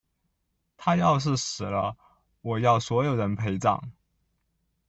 她要是死了，我要所有人陪葬！